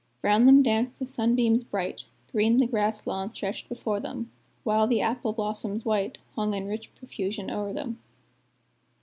Round them danced the sunbeams bright, Green the grass lawn stretched before them; While the apple blossoms white Hung in rich profusion o'er them.